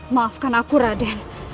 maafkan aku raden